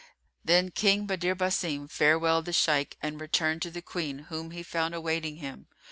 Then King Badr Basim farewelled the Shaykh and returned to the Queen whom he found awaiting him.